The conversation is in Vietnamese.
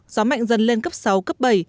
gió mạnh dần lên cấp sáu cấp bảy